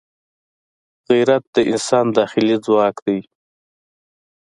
غیرت د انسان داخلي ځواک دی